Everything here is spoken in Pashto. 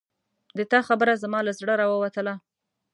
د تا خبره زما له زړه راووتله